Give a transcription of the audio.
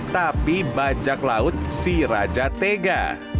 tapi bajak laut si raja tega